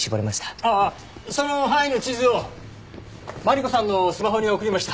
その範囲の地図をマリコさんのスマホに送りました。